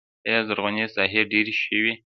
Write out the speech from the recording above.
آیا زرغونې ساحې ډیرې شوي؟